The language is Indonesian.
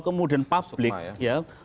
kemudian publik ya